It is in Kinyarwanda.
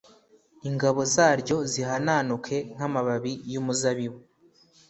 ingabo zaryo zihanantuke nk’amababi y’umuzabibu,